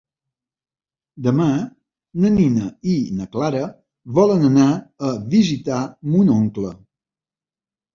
Demà na Nina i na Clara volen anar a visitar mon oncle.